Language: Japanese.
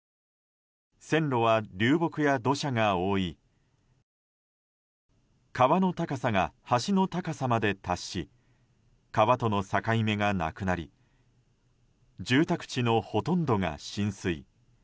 線路は流木や土砂が覆い川の高さが橋の高さまで達し川との境目がなくなり住宅地のほとんどが浸水。